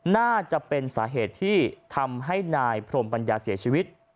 น่าจะเป็นสาเหตุที่ทำให้นายพรมปัญญาเสียชีวิต